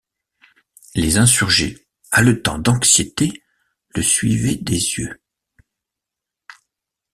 Les insurgés, haletants d’anxiété, le suivaient des yeux.